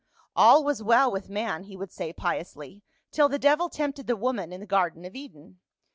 " All was well with man," he would say piously, "till the devil tempted the woman in the garden of Eden.